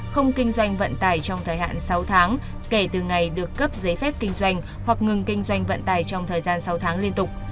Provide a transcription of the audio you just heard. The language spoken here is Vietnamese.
không kinh doanh vận tải trong thời hạn sáu tháng kể từ ngày được cấp giấy phép kinh doanh hoặc ngừng kinh doanh vận tải trong thời gian sáu tháng liên tục